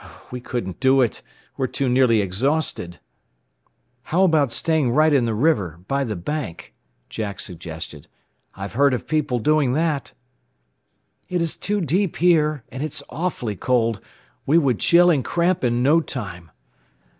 "We couldn't do it. We're too nearly exhausted. "How about staying right in the river, by the bank?" Jack suggested. "I've heard of people doing that." "It is too deep here, and it's awfully cold. We would chill and cramp in no time.